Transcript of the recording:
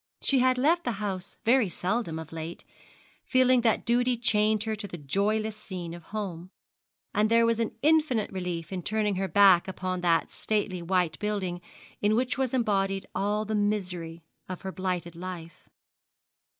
She had left the house very seldom of late, feeling that duty chained her to the joyless scene of home; and there was an infinite relief in turning her back upon that stately white building in which was embodied all the misery of her blighted life.